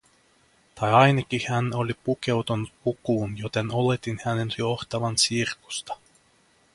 Tai ainakin hän oli pukeutunut pukuun, joten oletin hänen johtavan sirkusta.